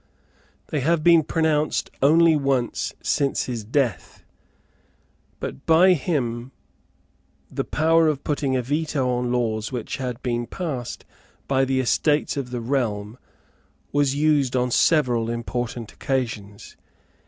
They have been pronounced only once since his death. But by him the power of putting a Veto on laws which had been passed by the Estates of the Realm was used on several important occasions.